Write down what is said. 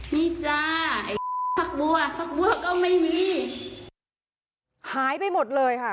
นี้จ้าไอ้พักบัวก็ไม่มีหายไปหมดเลยค่ะ